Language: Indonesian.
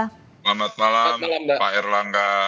selamat malam pak erlangga